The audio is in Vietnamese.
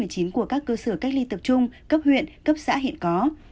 của các cơ sở cách ly tập trung cấp huyện cấp xã hiện có